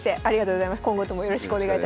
今後ともよろしくお願いいたします。